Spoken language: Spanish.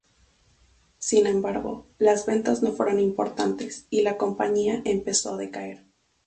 Sin embargo, las ventas no fueron importantes, y la compañía empezó a decaer.